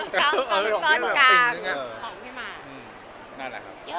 ของพี่หมาซื้อคือก้อนกลางของพี่หมา